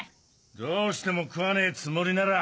どうしても食わねえつもりなら。